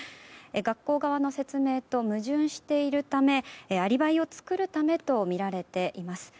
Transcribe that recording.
学校側の説明と矛盾しているためアリバイを作るためとみられています。